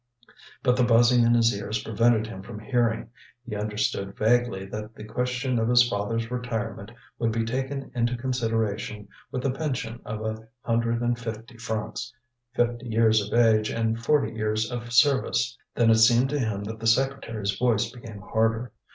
But the buzzing in his ears prevented him from hearing. He understood vaguely that the question of his father's retirement would be taken into consideration with the pension of a hundred and fifty francs, fifty years of age and forty years' service. Then it seemed to him that the secretary's voice became harder.